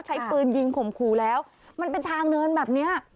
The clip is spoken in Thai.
ใช้ปืนยิงข่มขู่แล้วมันเป็นทางเนินแบบเนี้ย